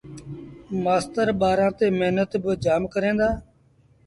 مآستر ٻآرآݩ تي مهنت با جآم ڪريݩ دآ